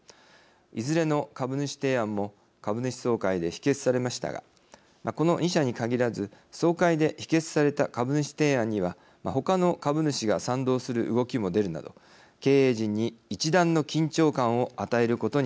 いずれの株主提案も株主総会で否決されましたがこの２社に限らず総会で否決された株主提案にはほかの株主が賛同する動きも出るなど経営陣に一段の緊張感を与えることにつながっています。